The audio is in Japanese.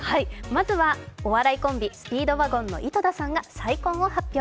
まずはお笑いコンビスピードワゴンの井戸田さんが再婚を発表。